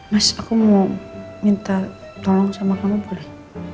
mas aku mau minta tolong sama kamu boleh